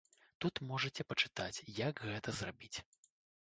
Тут можаце пачытаць, як гэта зрабіць.